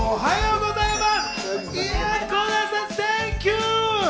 おはようございます！